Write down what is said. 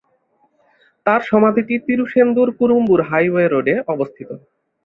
তার সমাধিটি তিরুশেন্দুর-কুড়ুম্বুর হাইওয়ে রোডে অবস্থিত।